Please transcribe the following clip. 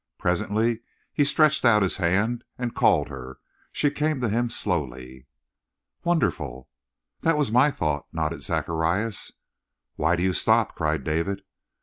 Presently he stretched out his hand and called her. She came to him slowly." "Wonderful!" "That was my thought," nodded Zacharias. "Why do you stop?" cried David.